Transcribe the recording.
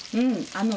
あの。